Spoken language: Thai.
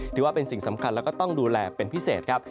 ถือว่าเป็นสิ่งสำคัญแล้วก็ต้องดูแลเป็นพิเศษครับ